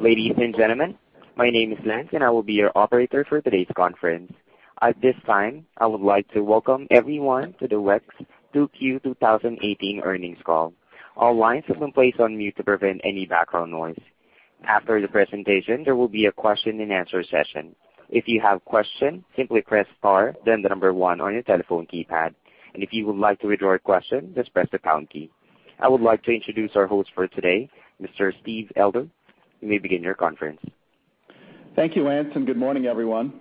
Ladies and gentlemen, my name is Lance, and I will be your operator for today's conference. At this time, I would like to welcome everyone to the WEX 2Q 2018 earnings call. All lines have been placed on mute to prevent any background noise. After the presentation, there will be a question and answer session. If you have a question, simply press star then the number one on your telephone keypad. If you would like to withdraw your question, just press the pound key. I would like to introduce our host for today, Mr. Steve Elder. You may begin your conference. Thank you, Lance, good morning, everyone.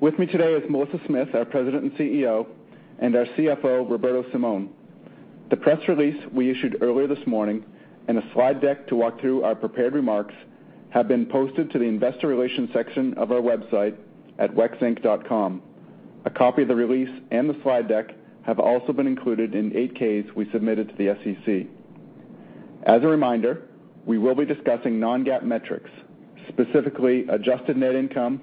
With me today is Melissa Smith, our President and CEO, our CFO, Roberto Simon. The press release we issued earlier this morning and a slide deck to walk through our prepared remarks have been posted to the investor relations section of our website at wexinc.com. A copy of the release and the slide deck have also been included in 8-Ks we submitted to the SEC. As a reminder, we will be discussing non-GAAP metrics, specifically adjusted net income,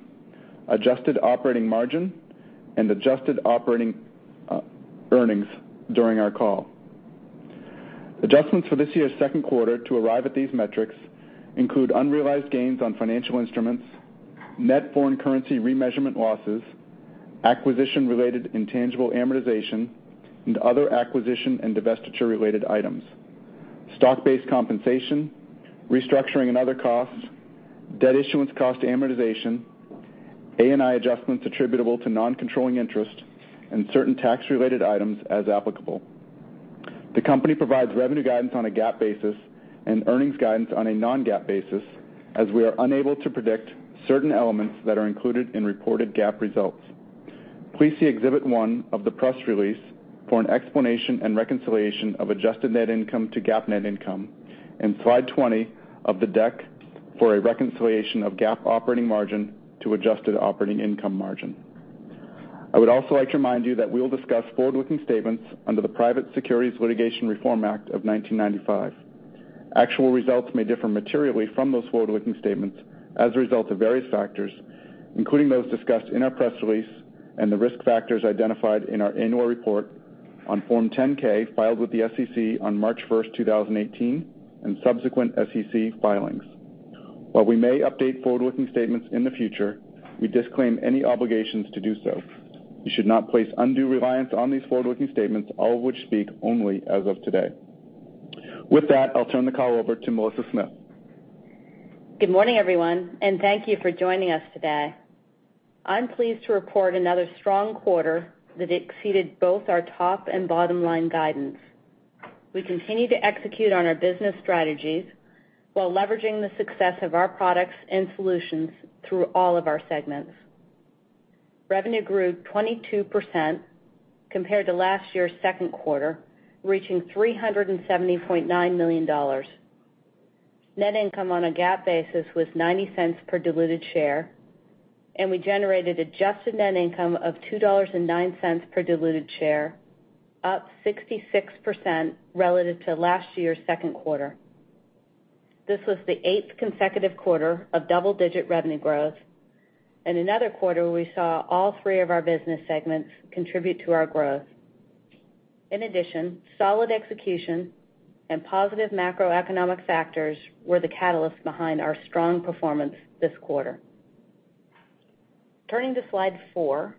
adjusted operating margin, and adjusted operating earnings during our call. Adjustments for this year's second quarter to arrive at these metrics include unrealized gains on financial instruments, net foreign currency remeasurement losses, acquisition-related intangible amortization and other acquisition and divestiture-related items, stock-based compensation, restructuring and other costs, debt issuance cost amortization, ANI adjustments attributable to non-controlling interest, and certain tax-related items as applicable. The company provides revenue guidance on a GAAP basis and earnings guidance on a non-GAAP basis, as we are unable to predict certain elements that are included in reported GAAP results. Please see Exhibit 1 of the press release for an explanation and reconciliation of adjusted net income to GAAP net income, slide 20 of the deck for a reconciliation of GAAP operating margin to adjusted operating income margin. I would also like to remind you that we will discuss forward-looking statements under the Private Securities Litigation Reform Act of 1995. Actual results may differ materially from those forward-looking statements as a result of various factors, including those discussed in our press release and the risk factors identified in our annual report on Form 10-K, filed with the SEC on March 1st, 2018, subsequent SEC filings. While we may update forward-looking statements in the future, we disclaim any obligations to do so. You should not place undue reliance on these forward-looking statements, all of which speak only as of today. With that, I'll turn the call over to Melissa Smith. Good morning, everyone, and thank you for joining us today. I'm pleased to report another strong quarter that exceeded both our top and bottom-line guidance. We continue to execute on our business strategies while leveraging the success of our products and solutions through all of our segments. Revenue grew 22% compared to last year's second quarter, reaching $370.9 million. Net income on a GAAP basis was $0.90 per diluted share, and we generated adjusted net income of $2.09 per diluted share, up 66% relative to last year's second quarter. This was the eighth consecutive quarter of double-digit revenue growth and another quarter where we saw all three of our business segments contribute to our growth. In addition, solid execution and positive macroeconomic factors were the catalyst behind our strong performance this quarter. Turning to Slide 4.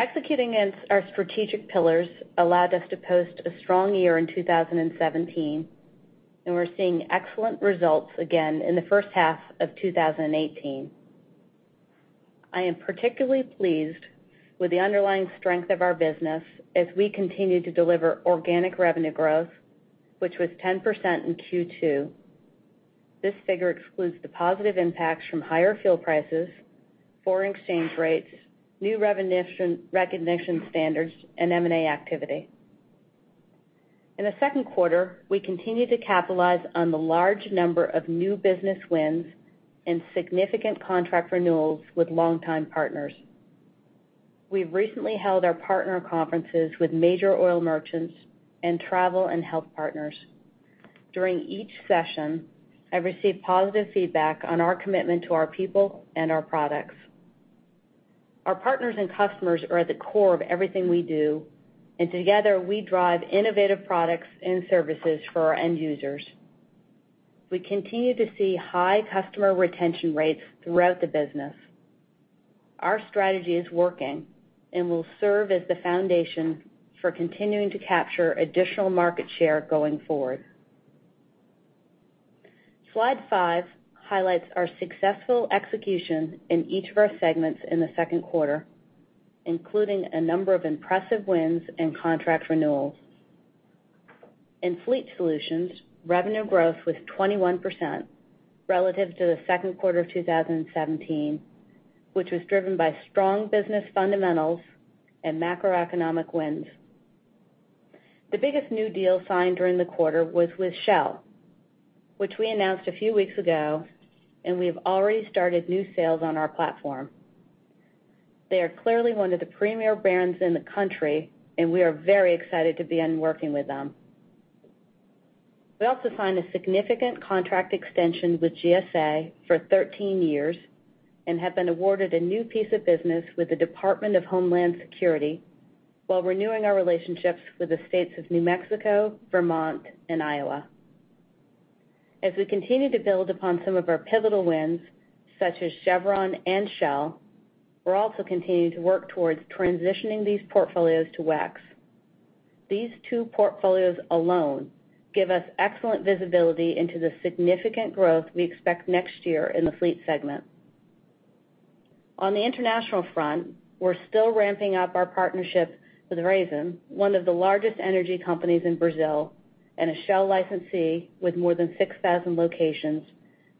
Executing against our strategic pillars allowed us to post a strong year in 2017, and we're seeing excellent results again in the first half of 2018. I am particularly pleased with the underlying strength of our business as we continue to deliver organic revenue growth, which was 10% in Q2. This figure excludes the positive impacts from higher fuel prices, foreign exchange rates, new recognition standards, and M&A activity. In the second quarter, we continued to capitalize on the large number of new business wins and significant contract renewals with longtime partners. We've recently held our partner conferences with major oil merchants and travel and health partners. During each session, I received positive feedback on our commitment to our people and our products. Our partners and customers are at the core of everything we do, and together, we drive innovative products and services for our end users. We continue to see high customer retention rates throughout the business. Our strategy is working and will serve as the foundation for continuing to capture additional market share going forward. Slide 5 highlights our successful execution in each of our segments in the second quarter, including a number of impressive wins and contract renewals. In Fleet Solutions, revenue growth was 21% relative to the second quarter of 2017, which was driven by strong business fundamentals and macroeconomic wins. The biggest new deal signed during the quarter was with Shell, which we announced a few weeks ago, and we have already started new sales on our platform. They are clearly one of the premier brands in the country, and we are very excited to begin working with them. We also signed a significant contract extension with GSA for 13 years and have been awarded a new piece of business with the Department of Homeland Security while renewing our relationships with the states of New Mexico, Vermont, and Iowa. As we continue to build upon some of our pivotal wins, such as Chevron and Shell, we're also continuing to work towards transitioning these portfolios to WEX. These two portfolios alone give us excellent visibility into the significant growth we expect next year in the fleet segment. On the international front, we're still ramping up our partnership with Raízen, one of the largest energy companies in Brazil, and a Shell licensee with more than 6,000 locations,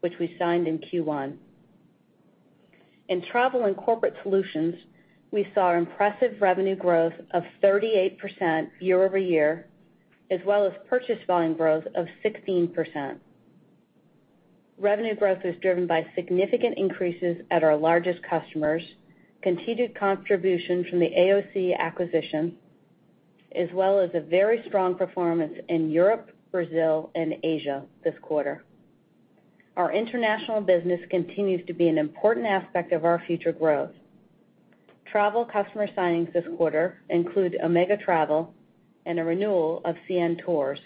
which we signed in Q1. In travel and corporate solutions, we saw impressive revenue growth of 38% year-over-year, as well as purchase volume growth of 16%. Revenue growth was driven by significant increases at our largest customers, continued contribution from the AOC acquisition, as well as a very strong performance in Europe, Brazil, and Asia this quarter. Our international business continues to be an an important aspect of our future growth. Travel customer signings this quarter include Omega World Travel and a renewal of CN Tours.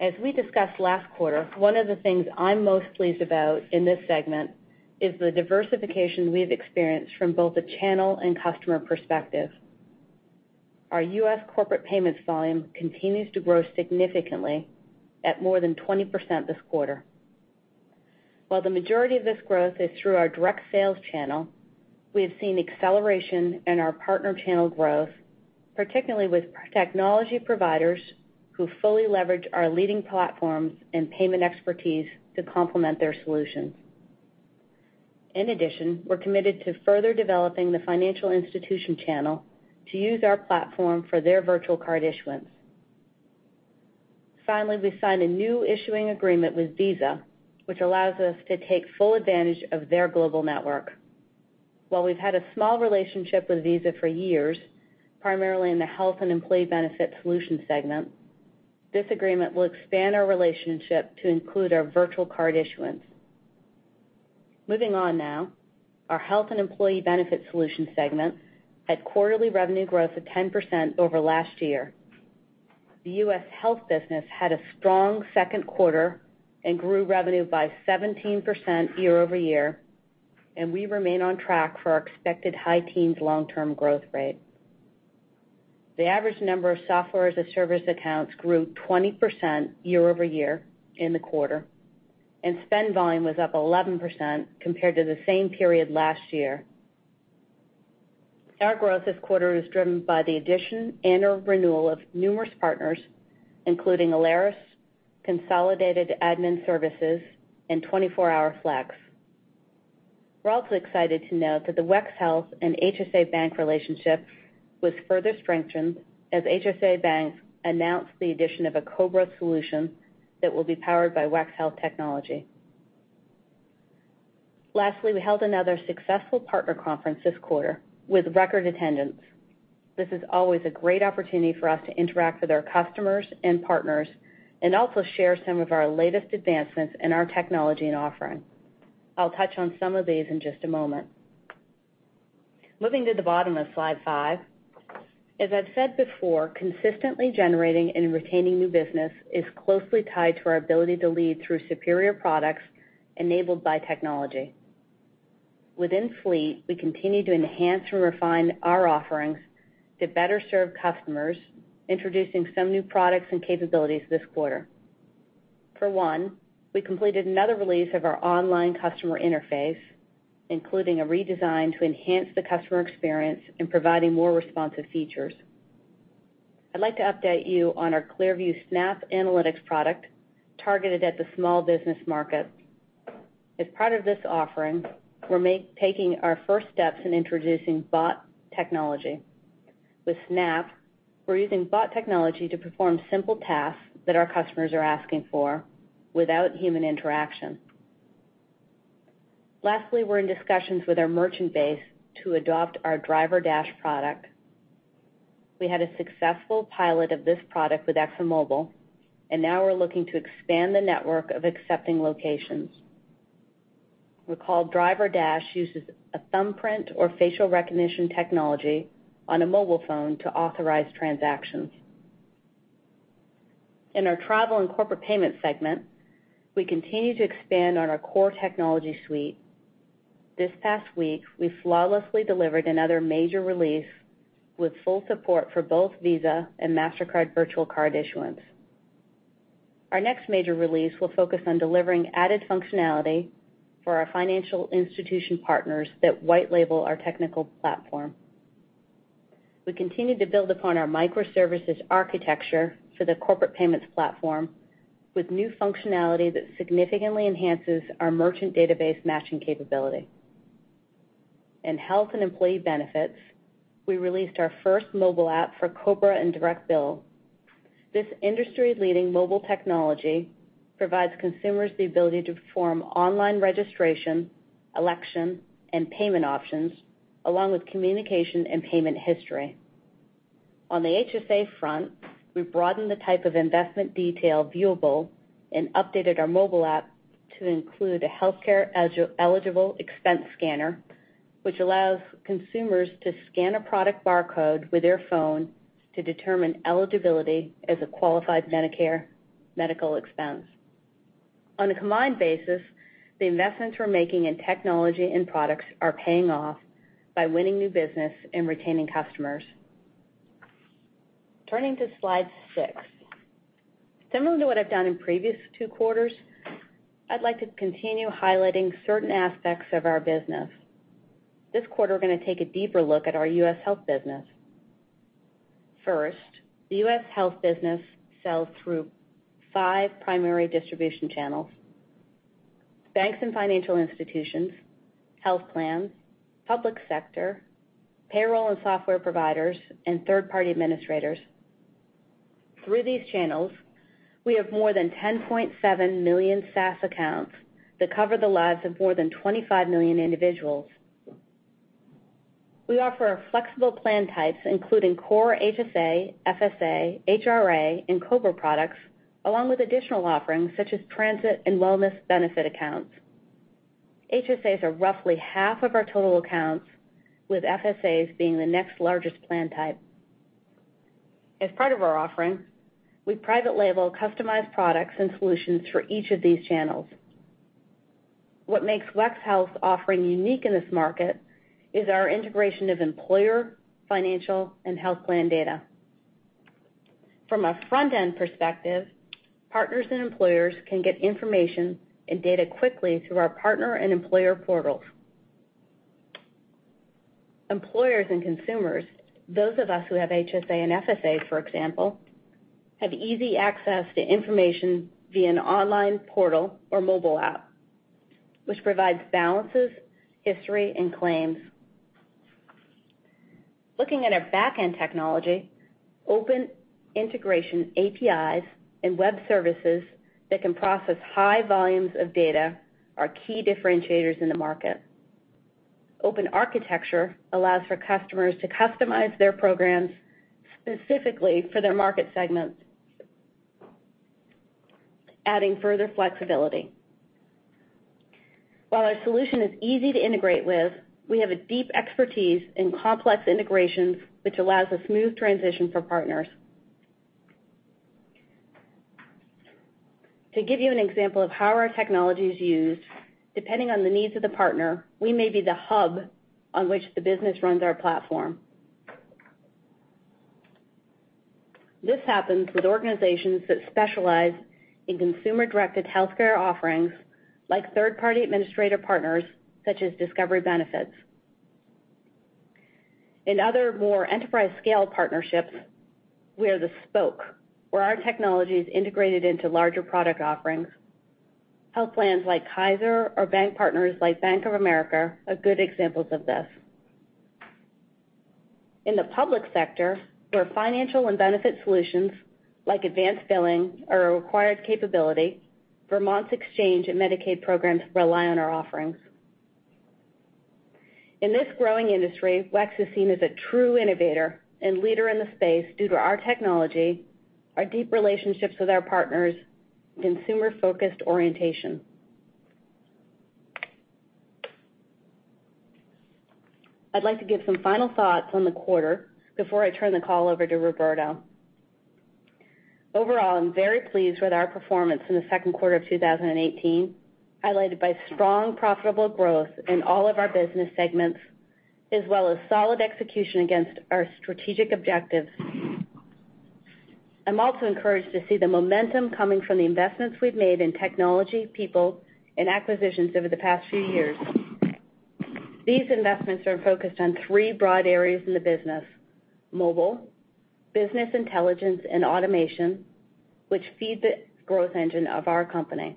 As we discussed last quarter, one of the things I'm most pleased about in this segment is the diversification we've experienced from both the channel and customer perspective. Our U.S. corporate payments volume continues to grow significantly at more than 20% this quarter. While the majority of this growth is through our direct sales channel, we have seen acceleration in our partner channel growth, particularly with technology providers who fully leverage our leading platforms and payment expertise to complement their solutions. In addition, we're committed to further developing the financial institution channel to use our platform for their virtual card issuance. Finally, we signed a new issuing agreement with Visa, which allows us to take full advantage of their global network. While we've had a small relationship with Visa for years, primarily in the health and employee benefit solution segment, this agreement will expand our relationship to include our virtual card issuance. Moving on now, our health and employee benefit solutions segment had quarterly revenue growth of 10% over last year. The U.S. health business had a strong second quarter and grew revenue by 17% year-over-year, and we remain on track for our expected high teens long-term growth rate. The average number of Software as a Service accounts grew 20% year-over-year in the quarter, and spend volume was up 11% compared to the same period last year. Our growth this quarter is driven by the addition and/or renewal of numerous partners, including Alaris, Consolidated Admin Services, and 24HourFlex. We're also excited to note that the WEX Health and HSA Bank relationship was further strengthened as HSA Bank announced the addition of a COBRA solution that will be powered by WEX Health technology. Lastly, we held another successful partner conference this quarter with record attendance. This is always a great opportunity for us to interact with our customers and partners and also share some of our latest advancements in our technology and offering. I'll touch on some of these in just a moment. Moving to the bottom of slide five. As I've said before, consistently generating and retaining new business is closely tied to our ability to lead through superior products enabled by technology. Within Fleet, we continue to enhance and refine our offerings to better serve customers, introducing some new products and capabilities this quarter. For one, we completed another release of our online customer interface, including a redesign to enhance the customer experience in providing more responsive features. I'd like to update you on our ClearView Snap Analytics product, targeted at the small business market. As part of this offering, we're taking our first steps in introducing bot technology. With Snap, we're using bot technology to perform simple tasks that our customers are asking for without human interaction. Lastly, we're in discussions with our merchant base to adopt our DriverDash product. We had a successful pilot of this product with ExxonMobil, and now we're looking to expand the network of accepting locations. Recall, DriverDash uses a thumbprint or facial recognition technology on a mobile phone to authorize transactions. In our travel and corporate payment segment, we continue to expand on our core technology suite. This past week, we flawlessly delivered another major release with full support for both Visa and Mastercard virtual card issuance. Our next major release will focus on delivering added functionality for our financial institution partners that white label our technical platform. We continue to build upon our microservices architecture for the corporate payments platform with new functionality that significantly enhances our merchant database matching capability. In health and employee benefits, we released our first mobile app for COBRA and direct bill. This industry-leading mobile technology provides consumers the ability to perform online registration, election, and payment options, along with communication and payment history. On the HSA front, we broadened the type of investment detail viewable and updated our mobile app to include a healthcare eligible expense scanner, which allows consumers to scan a product barcode with their phone to determine eligibility as a qualified Medicare medical expense. On a combined basis, the investments we're making in technology and products are paying off by winning new business and retaining customers. Turning to slide six. Similar to what I've done in previous two quarters, I'd like to continue highlighting certain aspects of our business. This quarter, we're going to take a deeper look at our U.S. health business. First, the U.S. health business sells through five primary distribution channels: banks and financial institutions, health plans, public sector, payroll and software providers, and third-party administrators. Through these channels, we have more than 10.7 million SaaS accounts that cover the lives of more than 25 million individuals. We offer flexible plan types, including core HSA, FSA, HRA, and COBRA products, along with additional offerings such as transit and wellness benefit accounts. HSAs are roughly half of our total accounts, with FSAs being the next largest plan type. As part of our offering, we private label customized products and solutions for each of these channels. What makes WEX Health offering unique in this market is our integration of employer, financial, and health plan data. From a front-end perspective, partners and employers can get information and data quickly through our partner and employer portals. Employers and consumers, those of us who have HSA and FSA, for example, have easy access to information via an online portal or mobile app, which provides balances, history, and claims. Looking at our back-end technology, open integration APIs and web services that can process high volumes of data are key differentiators in the market. Open architecture allows for customers to customize their programs specifically for their market segments, adding further flexibility. While our solution is easy to integrate with, we have a deep expertise in complex integrations, which allows a smooth transition for partners. To give you an example of how our technology is used, depending on the needs of the partner, we may be the hub on which the business runs our platform. This happens with organizations that specialize in consumer-directed healthcare offerings, like third-party administrator partners such as Discovery Benefits. In other more enterprise-scale partnerships, we are the spoke, where our technology is integrated into larger product offerings. Health plans like Kaiser or bank partners like Bank of America are good examples of this. In the public sector, where financial and benefit solutions like advanced billing are a required capability, Vermont's exchange and Medicaid programs rely on our offerings. In this growing industry, WEX is seen as a true innovator and leader in the space due to our technology, our deep relationships with our partners, consumer-focused orientation. I'd like to give some final thoughts on the quarter before I turn the call over to Roberto. Overall, I'm very pleased with our performance in the second quarter of 2018, highlighted by strong, profitable growth in all of our business segments, as well as solid execution against our strategic objectives. I'm also encouraged to see the momentum coming from the investments we've made in technology, people, and acquisitions over the past few years. These investments are focused on three broad areas in the business: mobile, business intelligence, and automation, which feed the growth engine of our company.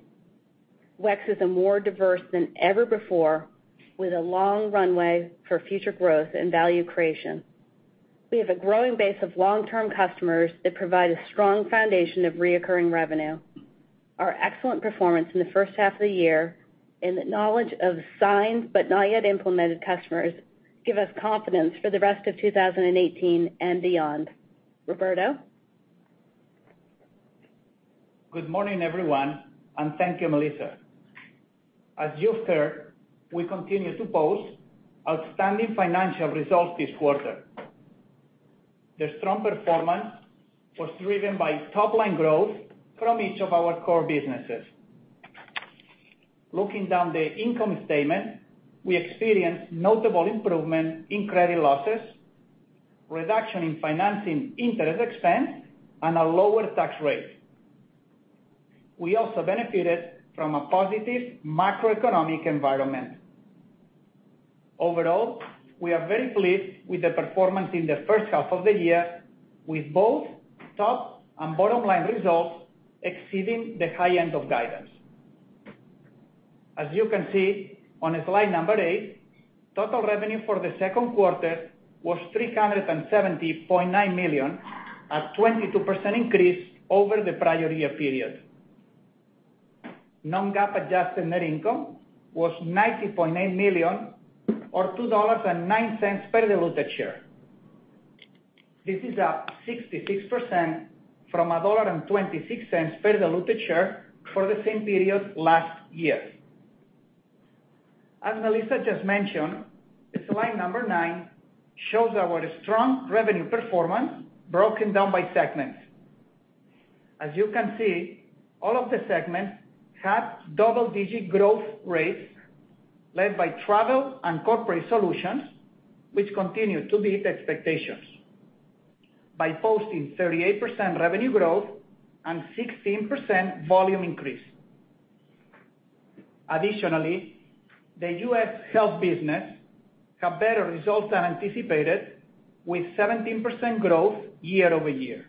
WEX is more diverse than ever before, with a long runway for future growth and value creation. We have a growing base of long-term customers that provide a strong foundation of reoccurring revenue. Our excellent performance in the first half of the year and the knowledge of signed, but not yet implemented customers, give us confidence for the rest of 2018 and beyond. Roberto? Good morning, everyone, thank you, Melissa. As you've heard, we continue to post outstanding financial results this quarter. The strong performance was driven by top-line growth from each of our core businesses. Looking down the income statement, we experienced notable improvement in credit losses, reduction in financing interest expense, and a lower tax rate. We also benefited from a positive macroeconomic environment. Overall, we are very pleased with the performance in the first half of the year, with both top and bottom-line results exceeding the high end of guidance. As you can see on slide number eight, total revenue for the second quarter was $370.9 million, a 22% increase over the prior year period. Non-GAAP adjusted net income was $90.8 million or $2.09 per diluted share. This is up 66% from $1.26 per diluted share for the same period last year. As Melissa just mentioned, slide number nine shows our strong revenue performance broken down by segments. As you can see, all of the segments had double-digit growth rates led by travel and corporate solutions, which continue to beat expectations by posting 38% revenue growth and 16% volume increase. Additionally, the U.S. health business had better results than anticipated, with 17% growth year-over-year.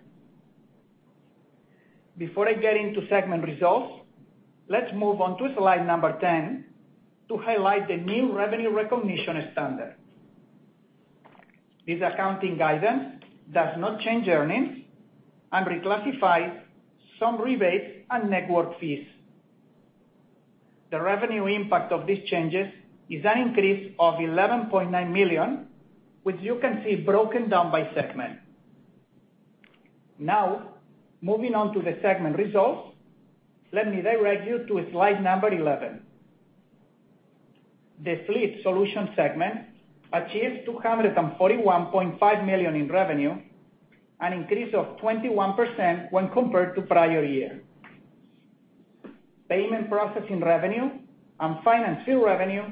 Before I get into segment results, let's move on to slide number 10 to highlight the new revenue recognition standard. This accounting guidance does not change earnings and reclassifies some rebates and network fees. The revenue impact of these changes is an increase of $11.9 million, which you can see broken down by segment. Moving on to the segment results, let me direct you to slide number 11. The Fleet Solutions segment achieved $241.5 million in revenue, an increase of 21% when compared to prior year. Payment processing revenue and financial revenue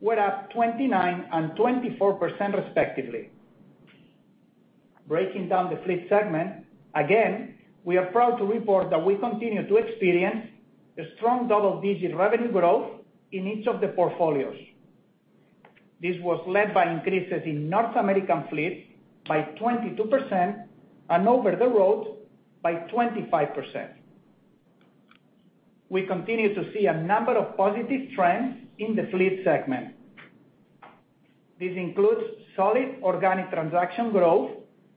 were up 29% and 24%, respectively. Breaking down the Fleet Solutions segment, again, we are proud to report that we continue to experience a strong double-digit revenue growth in each of the portfolios. This was led by increases in North American fleet by 22% and over-the-road by 25%. We continue to see a number of positive trends in the Fleet Solutions segment. This includes solid organic transaction growth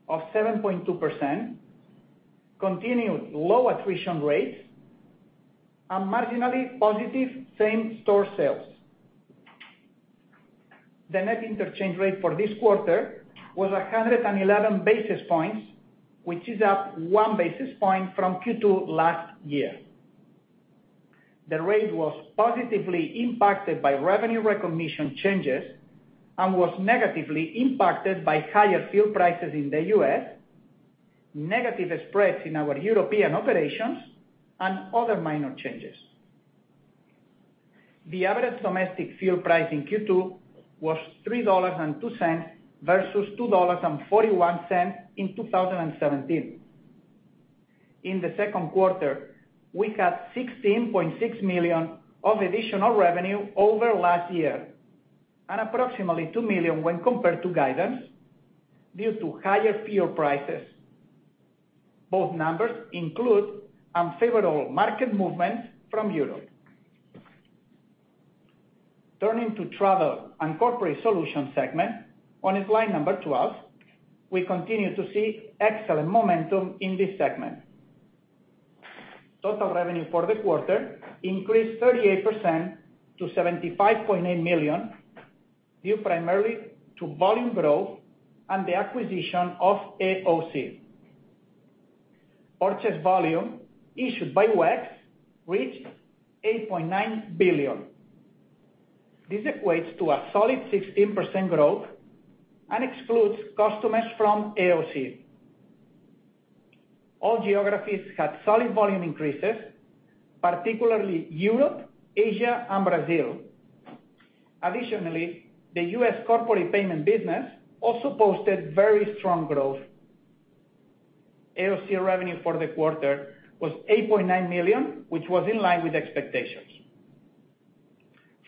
of 7.2%, continued low attrition rates, and marginally positive same-store sales. The net interchange rate for this quarter was 111 basis points, which is up one basis point from Q2 last year. The rate was positively impacted by revenue recognition changes and was negatively impacted by higher fuel prices in the U.S., negative spreads in our European operations, and other minor changes. The average domestic fuel price in Q2 was $3.02 versus $2.41 in 2017. In the second quarter, we had $16.6 million of additional revenue over last year and approximately $2 million when compared to guidance due to higher fuel prices. Both numbers include unfavorable market movements from Europe. Turning to Travel and Corporate Solutions segment, on slide number 12, we continue to see excellent momentum in this segment. Total revenue for the quarter increased 38% to $75.8 million, due primarily to volume growth and the acquisition of AOC. Purchase volume issued by WEX reached $8.9 billion. This equates to a solid 16% growth and excludes customers from AOC. All geographies had solid volume increases, particularly Europe, Asia, and Brazil. Additionally, the U.S. corporate payment business also posted very strong growth. AOC revenue for the quarter was $8.9 million, which was in line with expectations.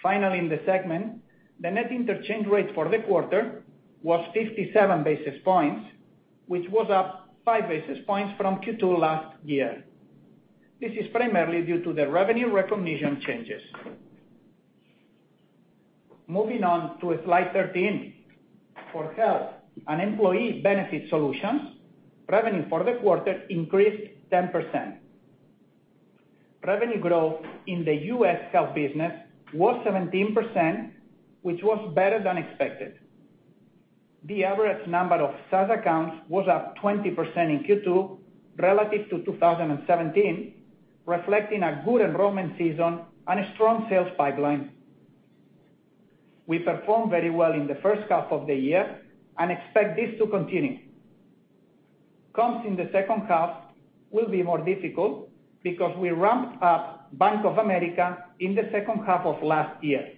Finally, in the segment, the net interchange rate for the quarter was 57 basis points, which was up five basis points from Q2 last year. This is primarily due to the revenue recognition changes. Moving on to slide 13. For Health and Employee Benefit Solutions, revenue for the quarter increased 10%. Revenue growth in the U.S. health business was 17%, which was better than expected. The average number of such accounts was up 20% in Q2 relative to 2017, reflecting a good enrollment season and a strong sales pipeline. We performed very well in the first half of the year and expect this to continue. Comps in the second half will be more difficult because we ramped up Bank of America in the second half of last year.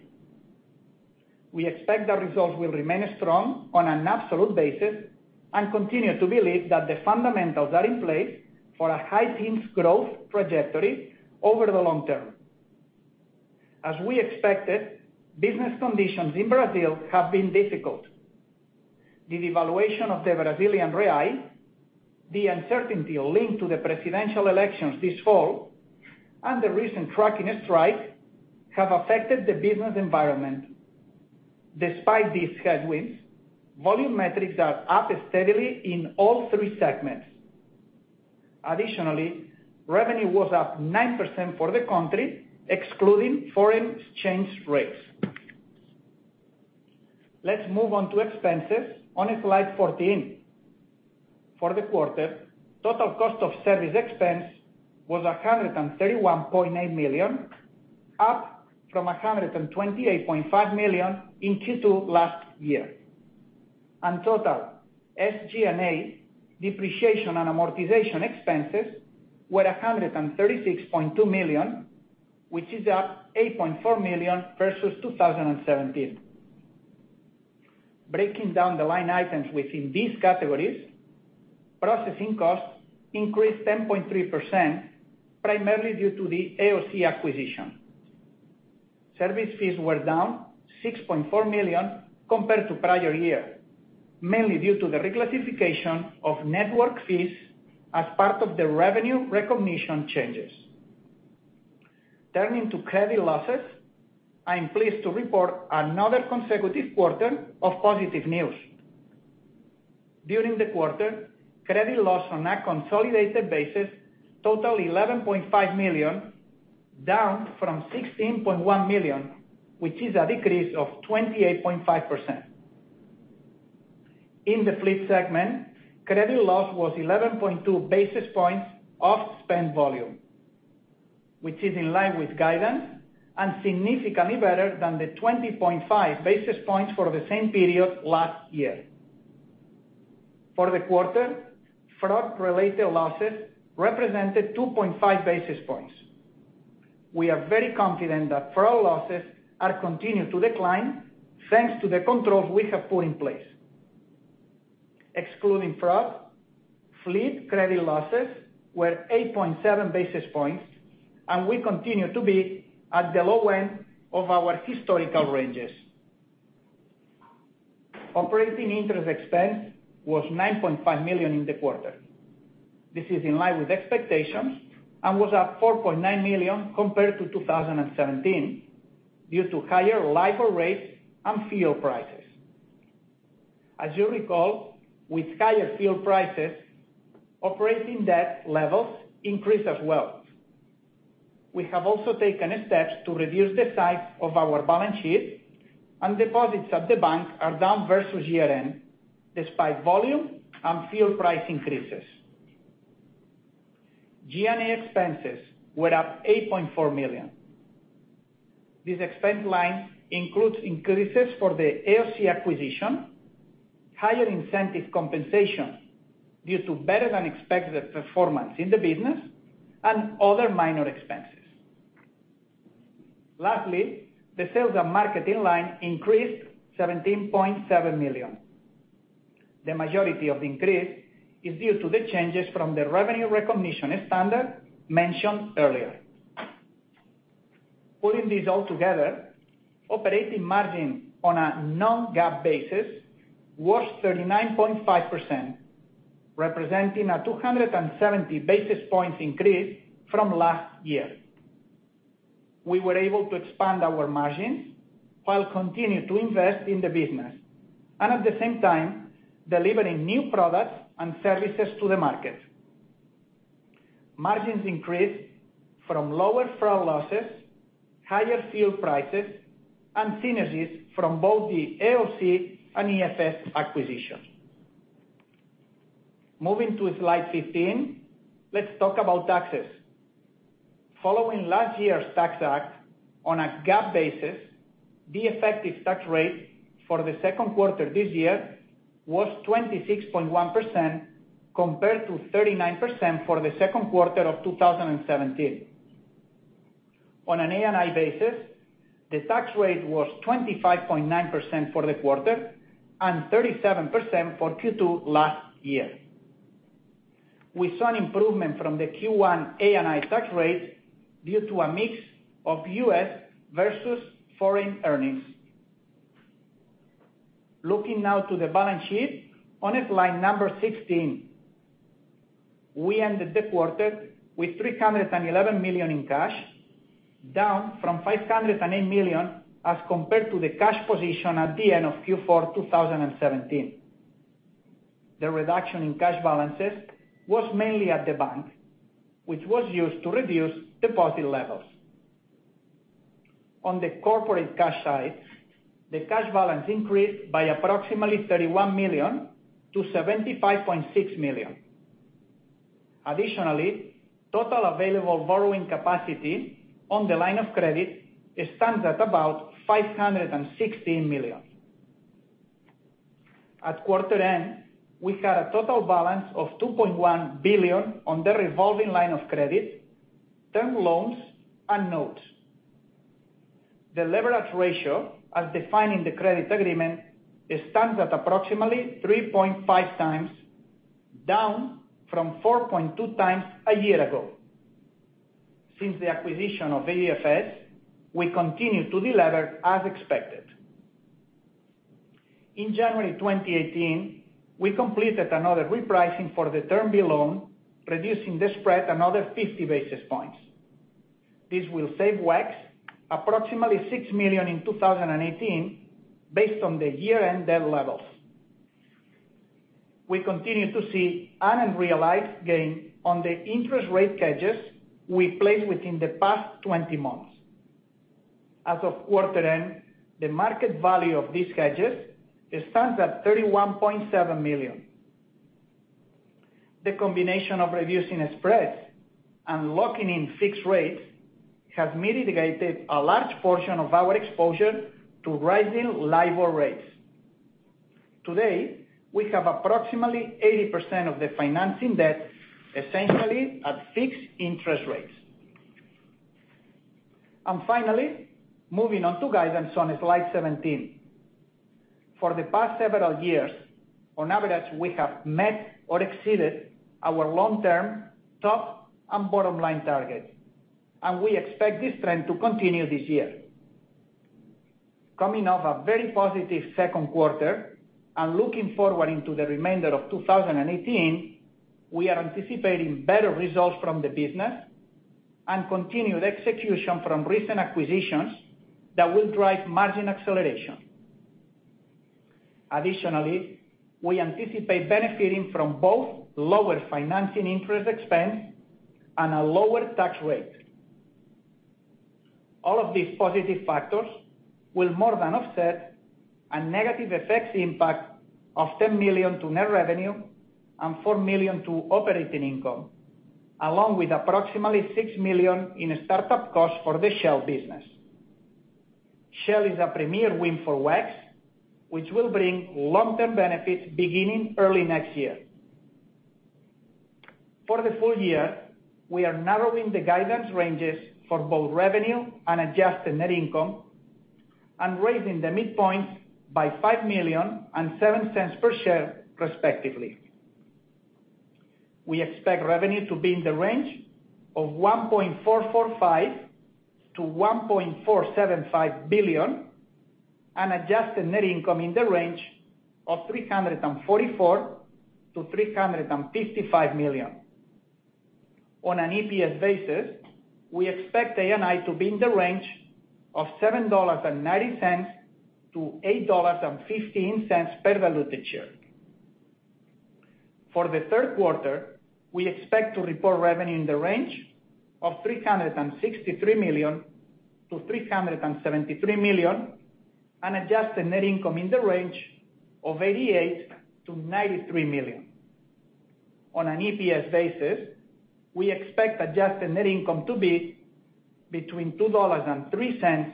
We expect the results will remain strong on an absolute basis and continue to believe that the fundamentals are in place for a high teens growth trajectory over the long term. As we expected, business conditions in Brazil have been difficult. The devaluation of the Brazilian real, the uncertainty linked to the presidential elections this fall, and the recent trucking strike have affected the business environment. Despite these headwinds, volume metrics are up steadily in all three segments. Additionally, revenue was up 9% for the country, excluding foreign exchange rates. Let's move on to expenses on slide 14. For the quarter, total cost of service expense was $131.8 million, up from $128.5 million in Q2 last year. Total SG&A depreciation and amortization expenses were $136.2 million, which is up $8.4 million versus 2017. Breaking down the line items within these categories, processing costs increased 10.3%, primarily due to the AOC acquisition. Service fees were down $6.4 million compared to prior year, mainly due to the reclassification of network fees as part of the revenue recognition changes. Turning to credit losses, I'm pleased to report another consecutive quarter of positive news. During the quarter, credit loss on a consolidated basis total $11.5 million, down from $16.1 million, which is a decrease of 28.5%. In the Fleet Solutions segment, credit loss was 11.2 basis points off spend volume, which is in line with guidance and significantly better than the 20.5 basis points for the same period last year. For the quarter, fraud-related losses represented 2.5 basis points. We are very confident that fraud losses are continued to decline thanks to the controls we have put in place. Excluding fraud, Fleet Solutions credit losses were 8.7 basis points, and we continue to be at the low end of our historical ranges. Operating interest expense was $9.5 million in the quarter. This is in line with expectations and was up $4.9 million compared to 2017 due to higher LIBOR rates and fuel prices. As you recall, with higher fuel prices, operating debt levels increase as well. We have also taken steps to reduce the size of our balance sheet, and deposits at the bank are down versus year-end despite volume and fuel price increases. G&A expenses were up $8.4 million. This expense line includes increases for the AOC acquisition, higher incentive compensation due to better-than-expected performance in the business, and other minor expenses. Lastly, the sales and marketing line increased $17.7 million. The majority of the increase is due to the changes from the revenue recognition standard mentioned earlier. Putting this all together, operating margin on a non-GAAP basis was 39.5%, representing a 270 basis points increase from last year. We were able to expand our margins while continuing to invest in the business, and at the same time, delivering new products and services to the market. Margins increased from lower fraud losses, higher fuel prices, and synergies from both the AOC and EFS acquisitions. Moving to slide 15, let's talk about taxes. Following last year's Tax Act, on a GAAP basis, the effective tax rate for the second quarter this year was 26.1% compared to 39% for the second quarter of 2017. On an ANI basis, the tax rate was 25.9% for the quarter and 37% for Q2 last year. We saw an improvement from the Q1 ANI tax rate due to a mix of U.S. versus foreign earnings. Looking now to the balance sheet on slide number 16. We ended the quarter with $311 million in cash, down from $508 million as compared to the cash position at the end of Q4 2017. The reduction in cash balances was mainly at the bank, which was used to reduce deposit levels. On the corporate cash side, the cash balance increased by approximately $31 million to $75.6 million. Additionally, total available borrowing capacity on the line of credit stands at about $516 million. At quarter end, we had a total balance of $2.1 billion on the revolving line of credit, term loans, and notes. The leverage ratio, as defined in the credit agreement, stands at approximately 3.5 times, down from 4.2 times a year ago. Since the acquisition of EFS, we continue to delever as expected. In January 2018, we completed another repricing for the Term Loan B, reducing the spread another 50 basis points. This will save WEX approximately $6 million in 2018 based on the year-end debt levels. We continue to see unrealized gain on the interest rate hedges we placed within the past 20 months. As of quarter end, the market value of these hedges stands at $31.7 million. The combination of reducing spreads and locking in fixed rates has mitigated a large portion of our exposure to rising LIBOR rates. Today, we have approximately 80% of the financing debt essentially at fixed interest rates. Finally, moving on to guidance on slide 17. For the past several years, on average, we have met or exceeded our long-term top and bottom line targets, and we expect this trend to continue this year. Coming off a very positive second quarter and looking forward into the remainder of 2018, we are anticipating better results from the business and continued execution from recent acquisitions that will drive margin acceleration. Additionally, we anticipate benefiting from both lower financing interest expense and a lower tax rate. All of these positive factors will more than offset a negative FX impact of $10 million to net revenue and $4 million to operating income, along with approximately $6 million in startup costs for the Shell business. Shell is a premier win for WEX, which will bring long-term benefits beginning early next year. For the full year, we are narrowing the guidance ranges for both revenue and adjusted net income and raising the midpoint by $5 million and $0.07 per share, respectively. We expect revenue to be in the range of $1.445 billion-$1.475 billion and adjusted net income in the range of $344 million-$355 million. On an EPS basis, we expect ANI to be in the range of $7.90 to $8.15 per diluted share. For the third quarter, we expect to report revenue in the range of $363 million-$373 million and adjusted net income in the range of $88 million-$93 million. On an EPS basis, we expect adjusted net income to be between $2.03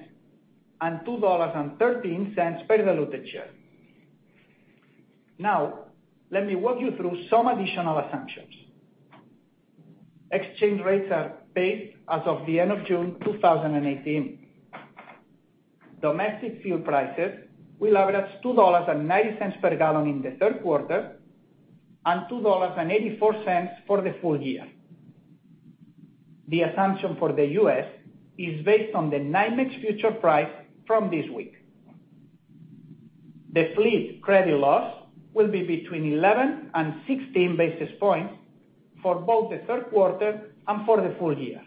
and $2.13 per diluted share. Let me walk you through some additional assumptions. Exchange rates are based as of the end of June 2018. Domestic fuel prices will average $2.90 per gallon in the third quarter and $2.84 for the full year. The assumption for the U.S. is based on the NYMEX future price from this week. The fleet credit loss will be between 11 and 16 basis points for both the third quarter and for the full year.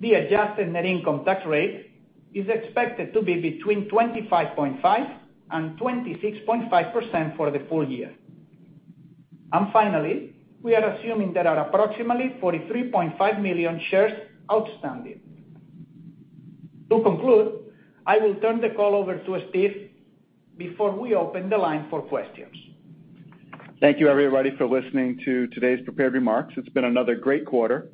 The adjusted net income tax rate is expected to be between 25.5% and 26.5% for the full year. Finally, we are assuming there are approximately 43.5 million shares outstanding. To conclude, I will turn the call over to Steve before we open the line for questions. Thank you everybody for listening to today's prepared remarks. It's been another great quarter,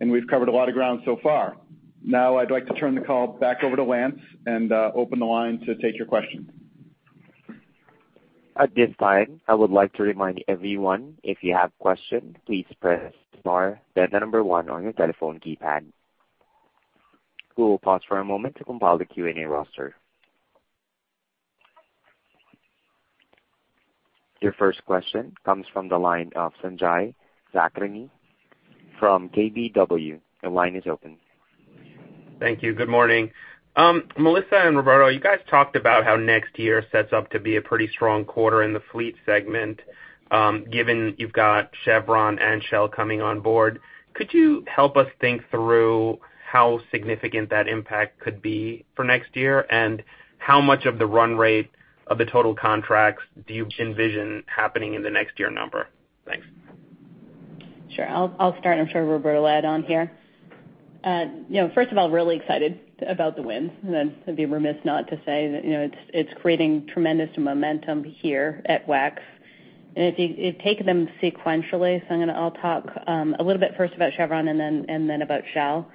and we've covered a lot of ground so far. Now I'd like to turn the call back over to Lance and open the line to take your questions. At this time, I would like to remind everyone, if you have a question, please press star, then the number one on your telephone keypad. We will pause for a moment to compile the Q&A roster. Your first question comes from the line of Sanjay Sakhrani from KBW. The line is open. Thank you. Good morning. Melissa and Roberto, you guys talked about how next year sets up to be a pretty strong quarter in the fleet segment, given you've got Chevron and Shell coming on board. Could you help us think through how significant that impact could be for next year? How much of the run rate of the total contracts do you envision happening in the next year number? Thanks. Sure. I'll start, and I'm sure Roberto will add on here. First of all, really excited about the win. I'd be remiss not to say that it's creating tremendous momentum here at WEX. If you take them sequentially, I'll talk a little bit first about Chevron and then about Shell.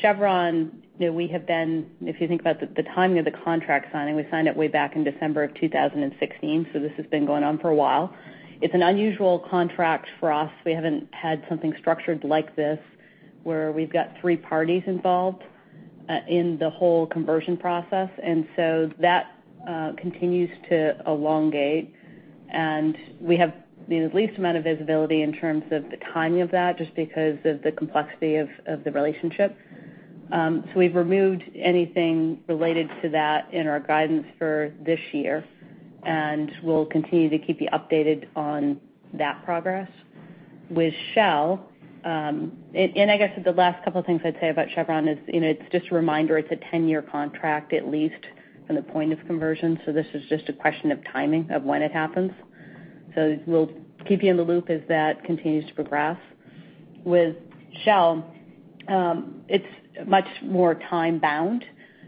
Chevron, if you think about the timing of the contract signing, we signed it way back in December of 2016, so this has been going on for a while. It's an unusual contract for us. We haven't had something structured like this where we've got three parties involved in the whole conversion process. That continues to elongate. We have the least amount of visibility in terms of the timing of that, just because of the complexity of the relationship. We've removed anything related to that in our guidance for this year, and we'll continue to keep you updated on that progress. I guess the last couple of things I'd say about Chevron is, it's just a reminder, it's a 10-year contract, at least from the point of conversion. This is just a question of timing of when it happens. We'll keep you in the loop as that continues to progress. With Shell, it's much more time-bound,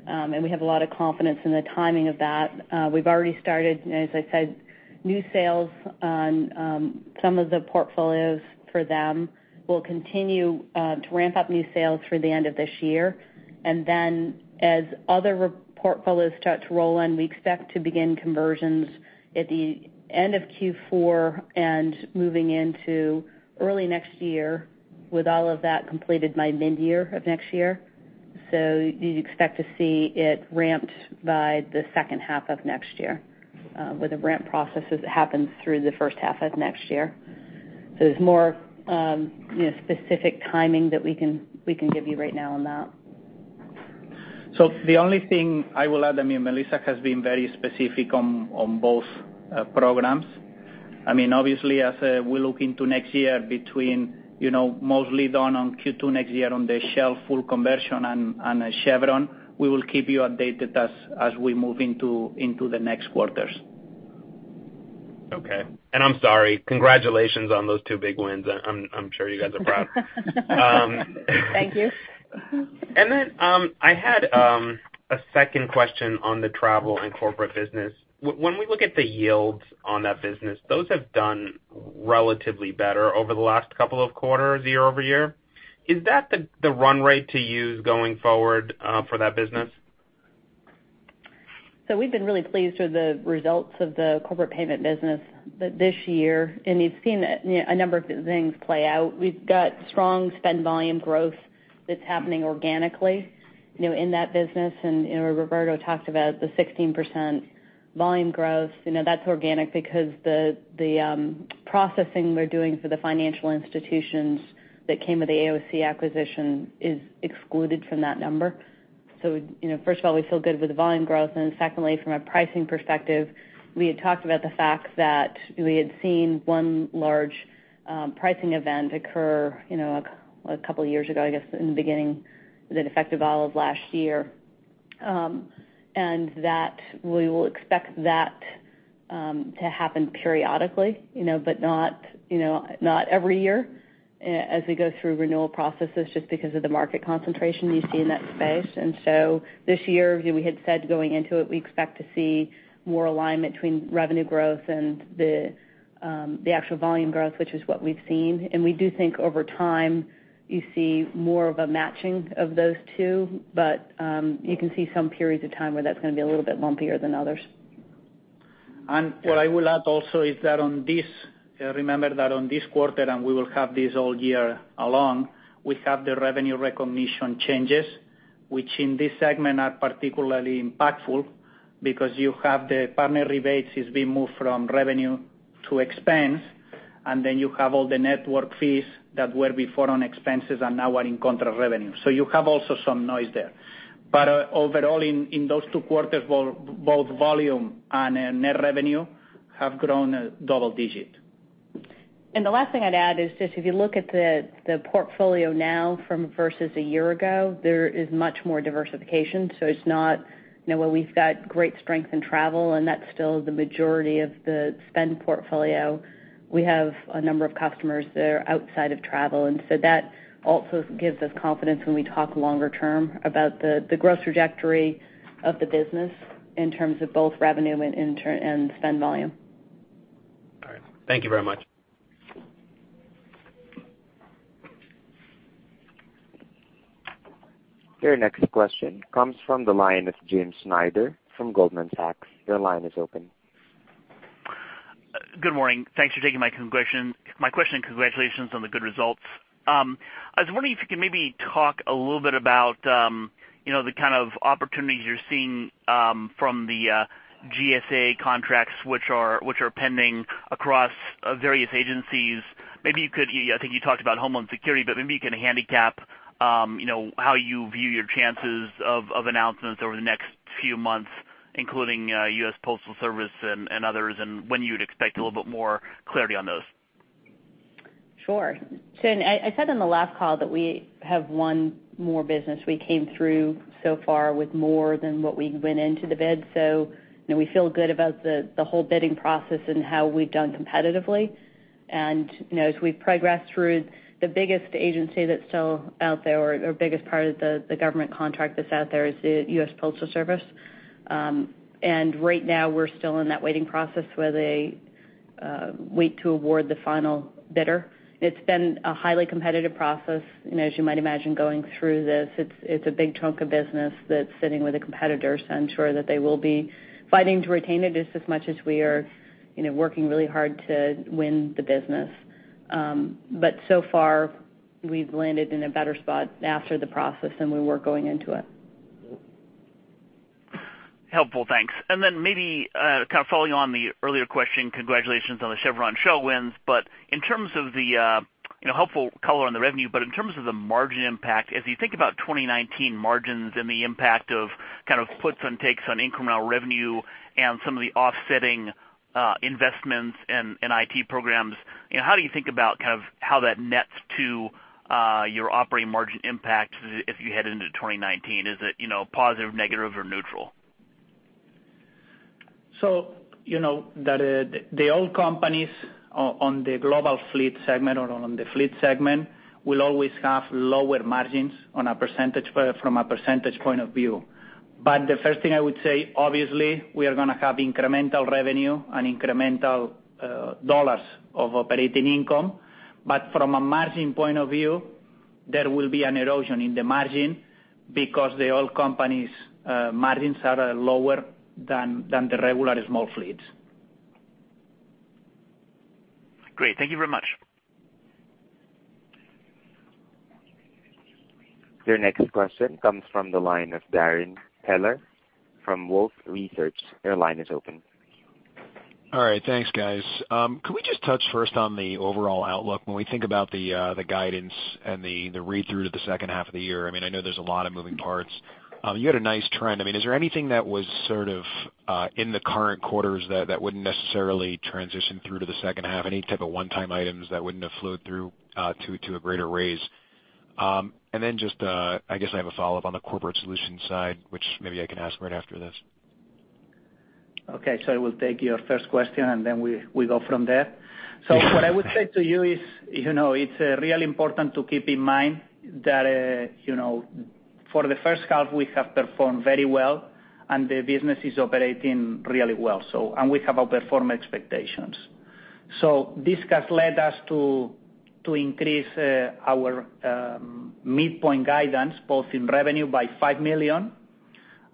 and we have a lot of confidence in the timing of that. We've already started, as I said, new sales on some of the portfolios for them. We'll continue to ramp up new sales through the end of this year. As other portfolios start to roll in, we expect to begin conversions at the end of Q4 and moving into early next year, with all of that completed by mid-year of next year. You'd expect to see it ramped by the second half of next year, where the ramp processes happen through the first half of next year. There's more specific timing that we can give you right now on that. The only thing I will add, Melissa has been very specific on both programs. Obviously, as we look into next year between mostly done on Q2 next year on the Shell full conversion and Chevron, we will keep you updated as we move into the next quarters. Okay. I'm sorry. Congratulations on those two big wins. I'm sure you guys are proud. Thank you. I had a second question on the travel and corporate business. When we look at the yields on that business, those have done relatively better over the last couple of quarters, year-over-year. Is that the run rate to use going forward for that business? We've been really pleased with the results of the corporate payment business this year, and you've seen a number of things play out. We've got strong spend volume growth that's happening organically in that business. Roberto talked about the 16% volume growth. That's organic because the processing we're doing for the financial institutions that came with the AOC acquisition is excluded from that number. First of all, we feel good with the volume growth. Secondly, from a pricing perspective, we had talked about the fact that we had seen one large pricing event occur a couple of years ago, I guess in the beginning that affected all of last year. We will expect that to happen periodically, but not every year as we go through renewal processes just because of the market concentration you see in that space. This year, we had said going into it, we expect to see more alignment between revenue growth and the actual volume growth, which is what we've seen. We do think over time, you see more of a matching of those two. You can see some periods of time where that's going to be a little bit lumpier than others. What I will add also is that on this, remember that on this quarter, we will have this all year along, we have the revenue recognition changes, which in this segment are particularly impactful because you have the partner rebates is being moved from revenue to expense, and then you have all the network fees that were before on expenses and now are in contra revenue. You have also some noise there. Overall in those two quarters, both volume and net revenue have grown double-digit. The last thing I'd add is just if you look at the portfolio now from versus a year ago, there is much more diversification. It's not where we've got great strength in travel, and that's still the majority of the spend portfolio. We have a number of customers that are outside of travel. That also gives us confidence when we talk longer term about the growth trajectory of the business in terms of both revenue and spend volume. All right. Thank you very much. Your next question comes from the line of James Schneider from Goldman Sachs. Your line is open. Good morning. Thanks for taking my question, and congratulations on the good results. I was wondering if you could maybe talk a little bit about the kind of opportunities you're seeing from the GSA contracts which are pending across various agencies. I think you talked about Homeland Security, but maybe you can handicap how you view your chances of announcements over the next few months, including US Postal Service and others, and when you'd expect a little bit more clarity on those. Sure. I said on the last call that we have won more business. We came through so far with more than what we went into the bid. We feel good about the whole bidding process and how we've done competitively. As we progress through the biggest agency that's still out there or biggest part of the government contract that's out there is the US Postal Service. Right now we're still in that waiting process where they wait to award the final bidder. It's been a highly competitive process. As you might imagine going through this, it's a big chunk of business that's sitting with the competitors. I'm sure that they will be fighting to retain it just as much as we are working really hard to win the business. So far we've landed in a better spot after the process than we were going into it. Helpful. Thanks. Then maybe kind of following on the earlier question, congratulations on the Chevron Shell wins. Helpful color on the revenue, but in terms of the margin impact, as you think about 2019 margins and the impact of kind of puts and takes on incremental revenue and some of the offsetting investments and IT programs, how do you think about kind of how that nets to your operating margin impact as if you head into 2019? Is it positive, negative, or neutral? The oil companies on the global fleet segment or on the fleet segment will always have lower margins from a percentage point of view. The first thing I would say, obviously, we are going to have incremental revenue and incremental dollars of operating income. From a margin point of view, there will be an erosion in the margin because the oil companies' margins are lower than the regular small fleets. Great. Thank you very much. Your next question comes from the line of Darrin Peller from Wolfe Research. Your line is open. All right. Thanks, guys. Could we just touch first on the overall outlook when we think about the guidance and the read-through to the second half of the year? I know there's a lot of moving parts. You had a nice trend. Is there anything that was sort of in the current quarters that wouldn't necessarily transition through to the second half? Any type of one-time items that wouldn't have flowed through to a greater raise? Then just, I guess I have a follow-up on the corporate solutions side, which maybe I can ask right after this. I will take your first question, then we go from there. What I would say to you is, it's really important to keep in mind that for the first half, we have performed very well, and the business is operating really well. We have outperformed expectations. This has led us to increase our midpoint guidance, both in revenue by $5 million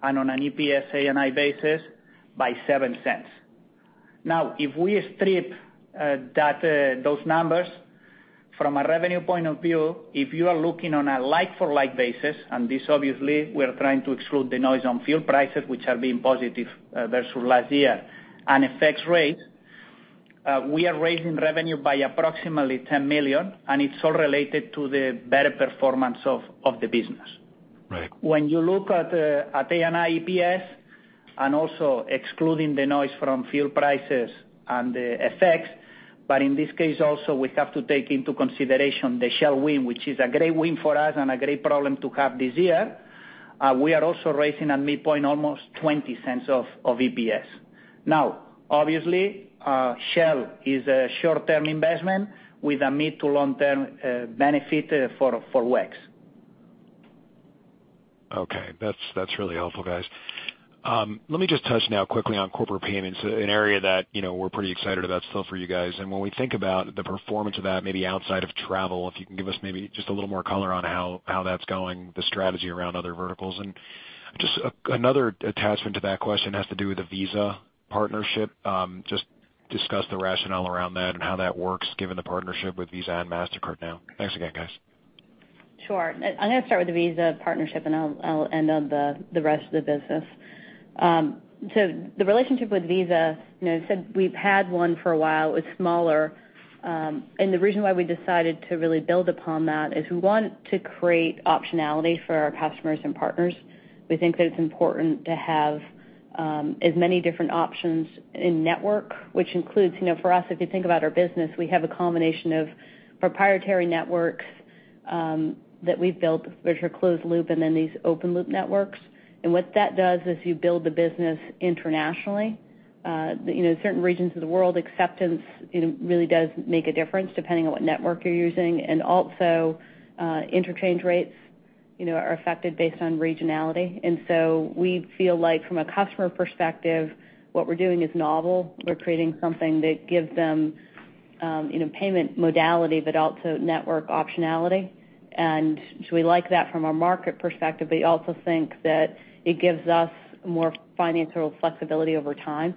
and on an EPS ANI basis by $0.07. If we strip those numbers from a revenue point of view, if you are looking on a like-for-like basis, this obviously, we're trying to exclude the noise on fuel prices, which have been positive versus last year, and FX rates, we are raising revenue by approximately $10 million, and it's all related to the better performance of the business. Right. When you look at ANI EPS and also excluding the noise from fuel prices and the FX, in this case also, we have to take into consideration the Shell win, which is a great win for us and a great problem to have this year. We are also raising a midpoint almost $0.20 of EPS. Obviously, Shell is a short-term investment with a mid to long-term benefit for WEX. That's really helpful, guys. Let me just touch now quickly on corporate payments, an area that we're pretty excited about still for you guys. When we think about the performance of that, maybe outside of travel, if you can give us maybe just a little more color on how that's going, the strategy around other verticals. Just another attachment to that question has to do with the Visa partnership. Just discuss the rationale around that and how that works given the partnership with Visa and Mastercard now. Thanks again, guys. Sure. I'm going to start with the Visa partnership, I'll end on the rest of the business. The relationship with Visa, as I said, we've had one for a while. It was smaller. The reason why we decided to really build upon that is we want to create optionality for our customers and partners. We think that it's important to have as many different options in network, which includes, for us, if you think about our business, we have a combination of proprietary networks that we've built, which are closed loop, then these open loop networks. What that does is you build the business internationally. Certain regions of the world, acceptance really does make a difference depending on what network you're using, also interchange rates are affected based on regionality. We feel like from a customer perspective, what we're doing is novel. We're creating something that gives them payment modality, but also network optionality. We like that from a market perspective, but we also think that it gives us more financial flexibility over time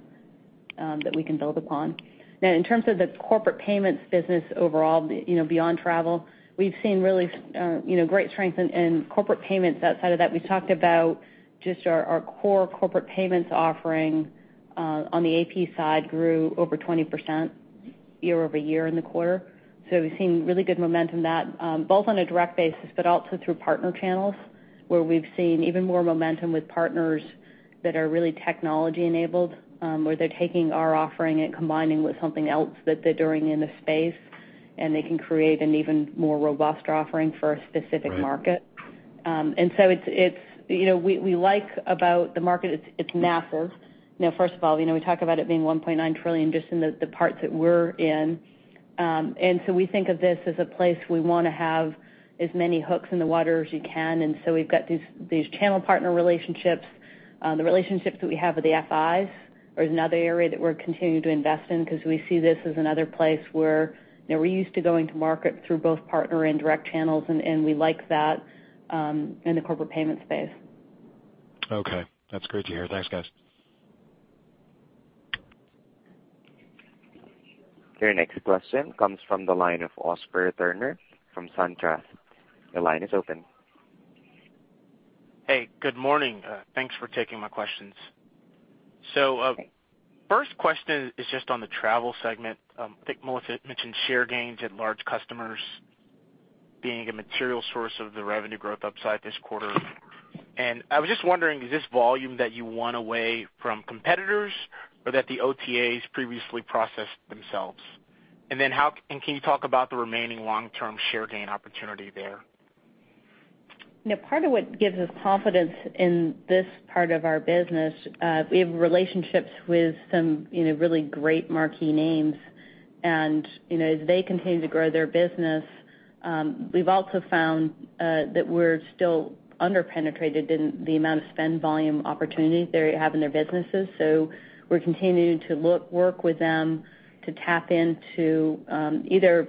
that we can build upon. In terms of the corporate payments business overall beyond travel, we've seen really great strength in corporate payments outside of that. We talked about just our core corporate payments offering on the AP side grew over 20% year-over-year in the quarter. We've seen really good momentum that both on a direct basis, but also through partner channels, where we've seen even more momentum with partners that are really technology-enabled, where they're taking our offering and combining with something else that they're doing in the space, they can create an even more robust offering for a specific market. Right. We like about the market, it's massive. First of all, we talk about it being $1.9 trillion just in the parts that we're in. We think of this as a place we want to have as many hooks in the water as you can. We've got these channel partner relationships. The relationships that we have with the FIs is another area that we're continuing to invest in because we see this as another place where we're used to going to market through both partner and direct channels, we like that in the corporate payment space. Okay. That's great to hear. Thanks, guys. Your next question comes from the line of Oscar Turner from SunTrust. Your line is open. Hey, good morning. Thanks for taking my questions. First question is just on the travel segment. I think Melissa mentioned share gains at large customers being a material source of the revenue growth upside this quarter. I was just wondering, is this volume that you won away from competitors or that the OTAs previously processed themselves? Can you talk about the remaining long-term share gain opportunity there? Part of what gives us confidence in this part of our business, we have relationships with some really great marquee names. As they continue to grow their business, we've also found that we're still under-penetrated in the amount of spend volume opportunity they have in their businesses. We're continuing to work with them to tap into either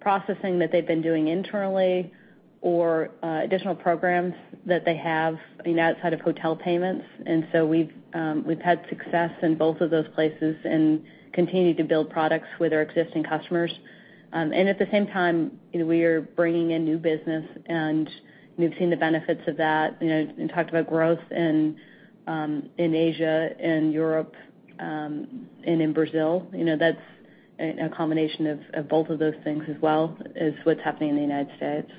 processing that they've been doing internally or additional programs that they have outside of hotel payments. We've had success in both of those places and continue to build products with our existing customers. At the same time, we are bringing in new business, and we've seen the benefits of that. We talked about growth in Asia and Europe and in Brazil. That's a combination of both of those things as well as what's happening in the United States.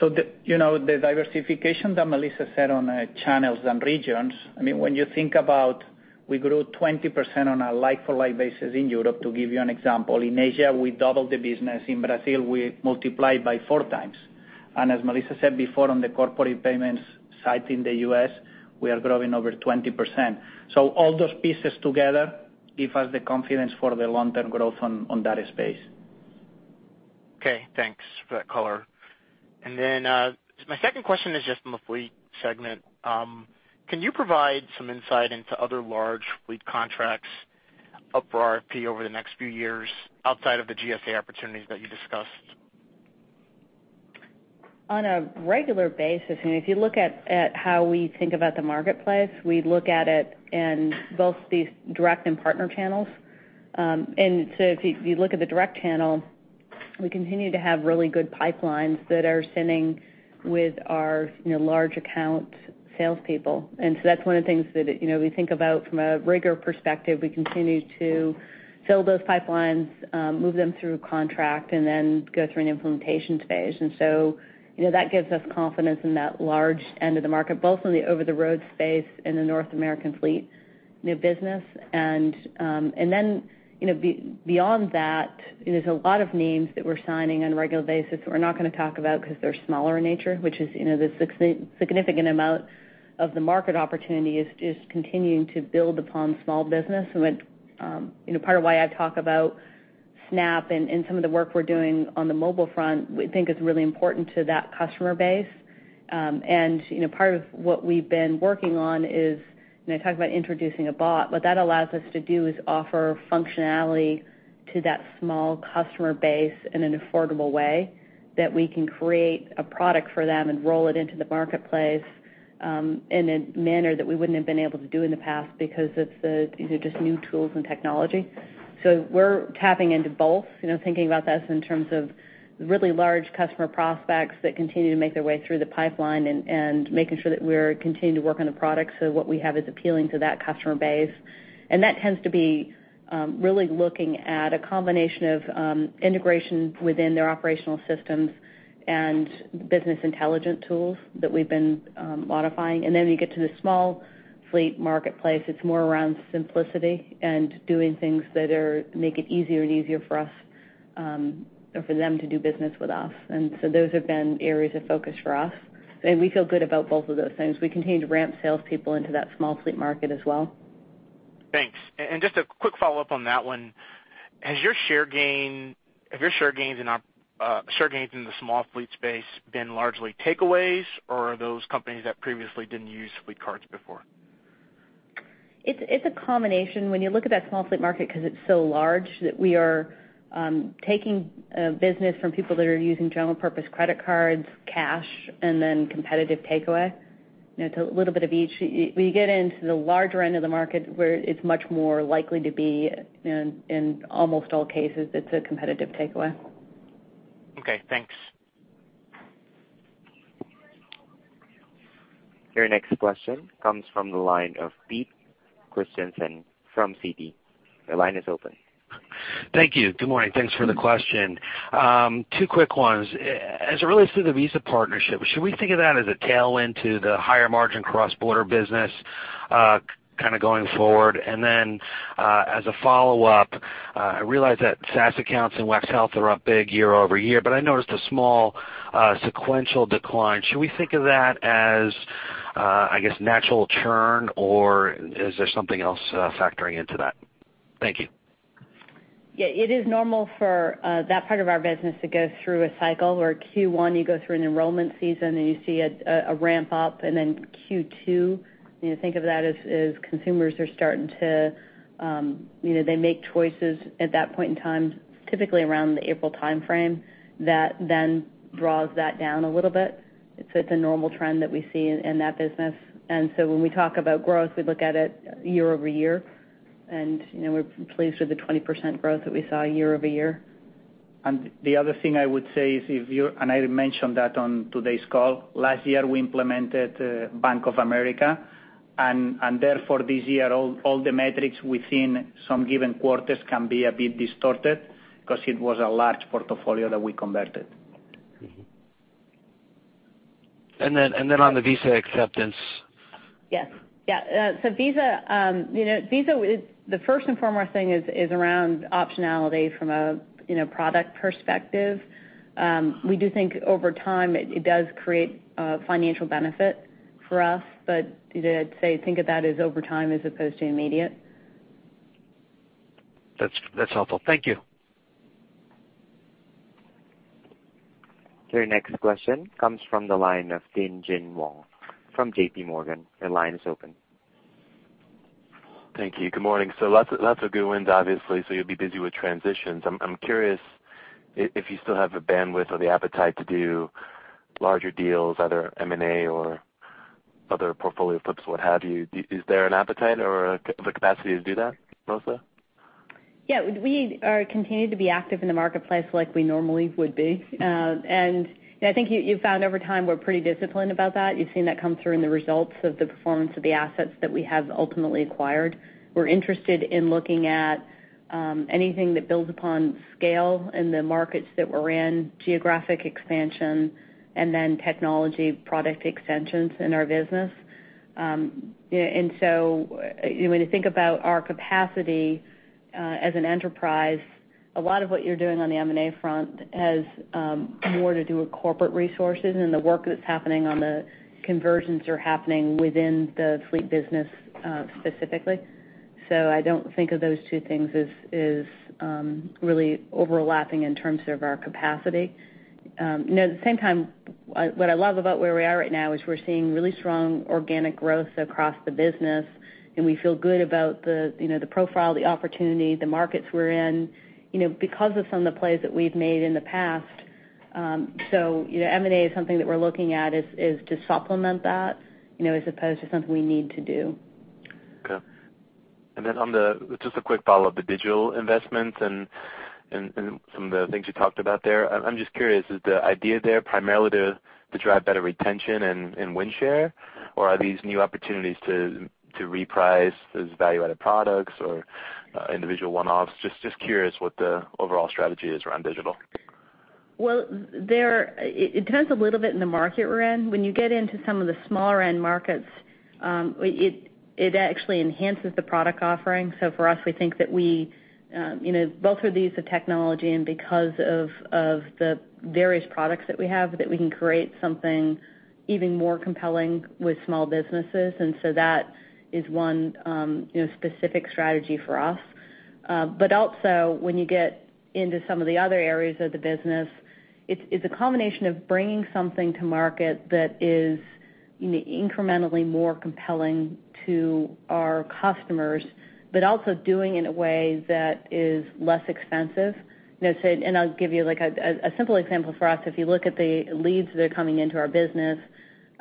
The diversification that Melissa said on channels and regions, when you think about we grew 20% on a like-for-like basis in Europe, to give you an example. In Asia, we doubled the business. In Brazil, we multiplied by four times. As Melissa said before on the corporate payments side in the U.S., we are growing over 20%. All those pieces together give us the confidence for the long-term growth on that space. Okay, thanks for that color. My second question is just on the Fleet segment. Can you provide some insight into other large Fleet contracts up for RFP over the next few years outside of the GSA opportunities that you discussed? On a regular basis, if you look at how we think about the marketplace, we look at it in both these direct and partner channels. If you look at the direct channel, we continue to have really good pipelines that are sending with our large account salespeople. That's one of the things that we think about from a rigor perspective. We continue to fill those pipelines, move them through contract, and then go through an implementation phase. That gives us confidence in that large end of the market, both in the over-the-road space and the North American fleet new business. Beyond that, there's a lot of names that we're signing on a regular basis that we're not going to talk about because they're smaller in nature, which is the significant amount of the market opportunity is continuing to build upon small business. Part of why I talk about Snap and some of the work we're doing on the mobile front, we think is really important to that customer base. Part of what we've been working on is, I talked about introducing a bot, what that allows us to do is offer functionality to that small customer base in an affordable way that we can create a product for them and roll it into the marketplace in a manner that we wouldn't have been able to do in the past because of these new tools and technology. We're tapping into both, thinking about this in terms of really large customer prospects that continue to make their way through the pipeline and making sure that we're continuing to work on the product so what we have is appealing to that customer base. That tends to be really looking at a combination of integration within their operational systems and business intelligence tools that we've been modifying. Then you get to the small fleet marketplace, it's more around simplicity and doing things that make it easier and easier for them to do business with us. Those have been areas of focus for us. We feel good about both of those things. We continue to ramp salespeople into that small fleet market as well. Thanks. Just a quick follow-up on that one. Have your share gains in the small fleet space been largely takeaways, or are those companies that previously didn't use fleet cards before? It's a combination. When you look at that small fleet market, because it's so large, that we are taking business from people that are using general purpose credit cards, cash, and then competitive takeaway. It's a little bit of each. When you get into the larger end of the market, where it's much more likely to be in almost all cases, it's a competitive takeaway. Okay, thanks. Your next question comes from the line of Peter Christiansen from Citigroup. Your line is open. Thank you. Good morning. Thanks for the question. Two quick ones. As it relates to the Visa partnership, should we think of that as a tailwind to the higher margin cross-border business kind of going forward? As a follow-up, I realize that SaaS accounts and WEX Health are up big year-over-year, but I noticed a small sequential decline. Should we think of that as, I guess, natural churn, or is there something else factoring into that? Thank you. It is normal for that part of our business to go through a cycle where Q1 you go through an enrollment season and you see a ramp up. Q2, think of that as consumers are starting to make choices at that point in time, typically around the April timeframe, that then draws that down a little bit. It's a normal trend that we see in that business. When we talk about growth, we look at it year-over-year, and we're pleased with the 20% growth that we saw year-over-year. The other thing I would say is if you, I mentioned that on today's call, last year, we implemented Bank of America. Therefore this year, all the metrics within some given quarters can be a bit distorted because it was a large portfolio that we converted. On the Visa acceptance. Yes. Visa, the first and foremost thing is around optionality from a product perspective. We do think over time, it does create a financial benefit for us. I'd say think of that as over time as opposed to immediate. That's helpful. Thank you. Your next question comes from the line of Tien-Tsin Huang from JPMorgan. Your line is open. Thank you. Good morning. Lots of good wins, obviously. You'll be busy with transitions. I'm curious if you still have the bandwidth or the appetite to do larger deals, either M&A or other portfolio flips, what have you. Is there an appetite or the capacity to do that, Melissa? We are continuing to be active in the marketplace like we normally would be. I think you've found over time, we're pretty disciplined about that. You've seen that come through in the results of the performance of the assets that we have ultimately acquired. We're interested in looking at anything that builds upon scale in the markets that we're in, geographic expansion, and then technology product extensions in our business. When you think about our capacity as an enterprise, a lot of what you're doing on the M&A front has more to do with corporate resources and the work that's happening on the conversions are happening within the fleet business, specifically. I don't think of those two things as really overlapping in terms of our capacity. At the same time, what I love about where we are right now is we're seeing really strong organic growth across the business, and we feel good about the profile, the opportunity, the markets we're in because of some of the plays that we've made in the past. M&A is something that we're looking at is to supplement that, as opposed to something we need to do. Okay. Just a quick follow-up. The digital investments and some of the things you talked about there. I'm just curious, is the idea there primarily to drive better retention and win share? Or are these new opportunities to reprice those value-added products or individual one-offs? Just curious what the overall strategy is around digital. Well, it depends a little bit on the market we're in. When you get into some of the smaller end markets, it actually enhances the product offering. For us, we think that we, both through the use of technology and because of the various products that we have, that we can create something even more compelling with small businesses. That is one specific strategy for us. When you get into some of the other areas of the business, it's a combination of bringing something to market that is incrementally more compelling to our customers, but also doing it in a way that is less expensive. I'll give you a simple example for us. If you look at the leads that are coming into our business,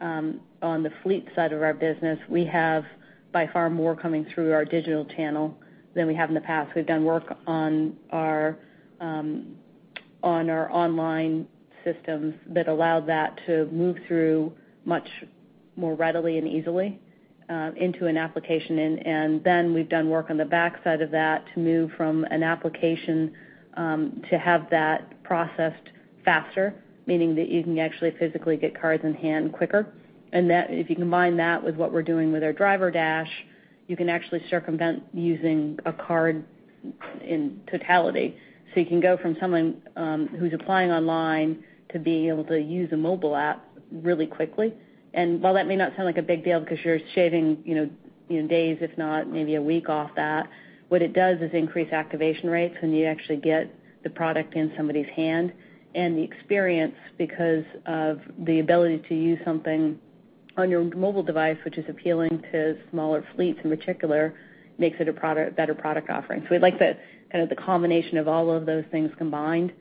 on the fleet side of our business, we have by far more coming through our digital channel than we have in the past. We've done work on our online systems that allowed that to move through much more readily and easily into an application. We've done work on the backside of that to move from an application to have that processed faster, meaning that you can actually physically get cards in hand quicker. If you combine that with what we're doing with our DriverDash, you can actually circumvent using a card in totality. You can go from someone who's applying online to being able to use a mobile app really quickly. While that may not sound like a big deal because you're shaving days, if not maybe a week off that, what it does is increase activation rates when you actually get the product in somebody's hand. The experience because of the ability to use something on your mobile device, which is appealing to smaller fleets in particular, makes it a better product offering. We like the combination of all of those things combined.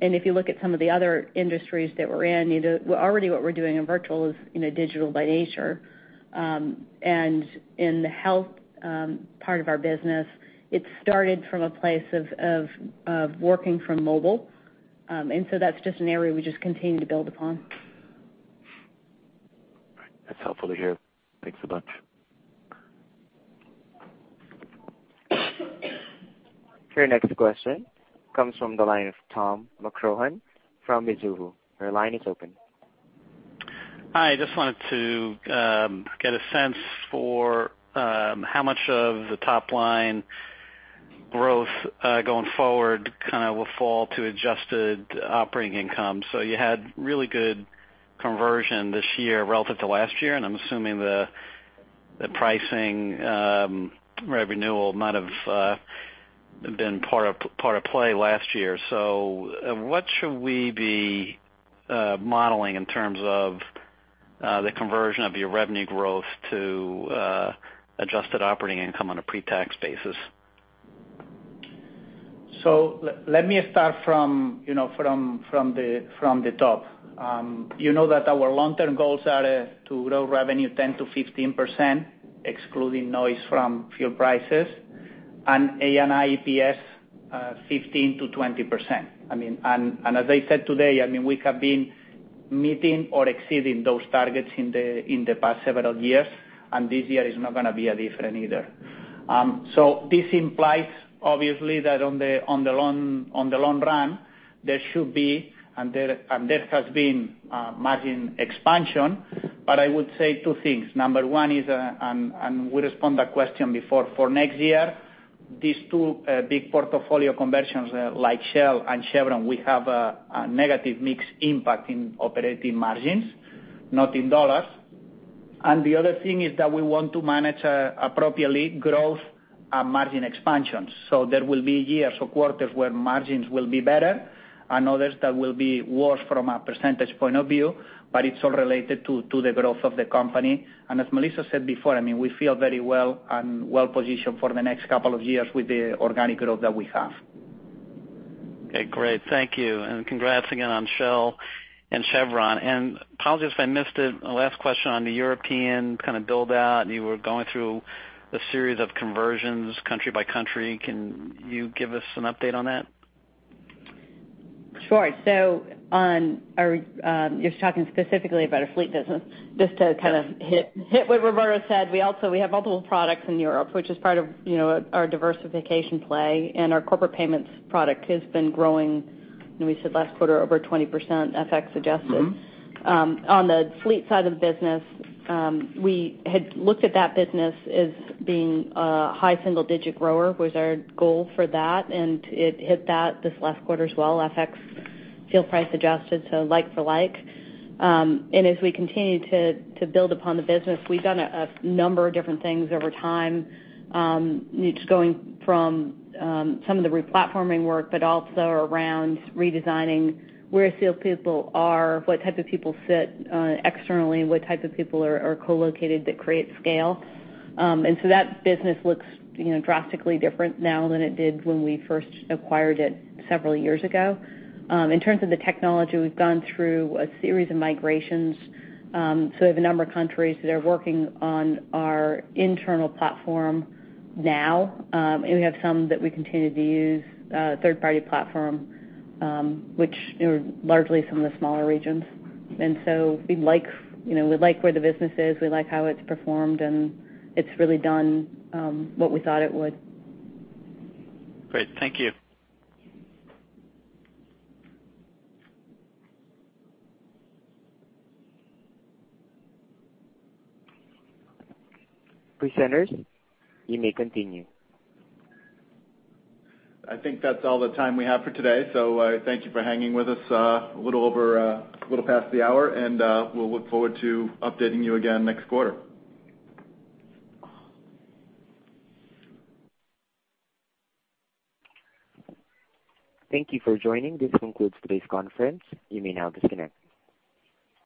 If you look at some of the other industries that we're in, already what we're doing in virtual is digital by nature. In the health part of our business, it started from a place of working from mobile. That's just an area we just continue to build upon. That's helpful to hear. Thanks a bunch. Your next question comes from the line of Thomas McCrohan from Mizuho. Your line is open. Hi, I just wanted to get a sense for how much of the top-line growth going forward kind of will fall to adjusted operating income. You had really good conversion this year relative to last year, I'm assuming the pricing revenue might have been part of play last year. What should we be modeling in terms of the conversion of your revenue growth to adjusted operating income on a pre-tax basis? Let me start from the top. You know that our long-term goals are to grow revenue 10%-15%, excluding noise from fuel prices, and ANI EPS 15%-20%. As I said today, we have been meeting or exceeding those targets in the past several years, and this year is not going to be different either. This implies, obviously, that on the long run, there should be, and there has been, margin expansion. I would say two things. Number one is, and we respond that question before, for next year, these two big portfolio conversions, like Shell and Chevron, we have a negative mix impact in operating margins, not in $. The other thing is that we want to manage appropriately growth and margin expansions. There will be years or quarters where margins will be better and others that will be worse from a percentage point of view, but it's all related to the growth of the company. As Melissa said before, we feel very well and well-positioned for the next couple of years with the organic growth that we have. Okay, great. Thank you. Congrats again on Shell and Chevron. Apologies if I missed it, last question on the European build out. You were going through a series of conversions country by country. Can you give us some update on that? Sure. You're talking specifically about our fleet business. Just to hit what Roberto said, we have multiple products in Europe, which is part of our diversification play. Our corporate payments product has been growing, we said last quarter, over 20% FX adjusted. On the fleet side of the business, we had looked at that business as being a high single-digit grower, was our goal for that, and it hit that this last quarter as well, FX fuel price adjusted, so like for like. As we continue to build upon the business, we've done a number of different things over time. Just going from some of the re-platforming work, but also around redesigning where salespeople are, what type of people sit externally, and what type of people are co-located that create scale. That business looks drastically different now than it did when we first acquired it several years ago. In terms of the technology, we've gone through a series of migrations. We have a number of countries that are working on our internal platform now. We have some that we continue to use third-party platform, which are largely some of the smaller regions. We like where the business is, we like how it's performed, and it's really done what we thought it would. Great. Thank you. Presenters, you may continue. I think that's all the time we have for today. Thank you for hanging with us a little past the hour. We'll look forward to updating you again next quarter. Thank you for joining. This concludes today's conference. You may now disconnect.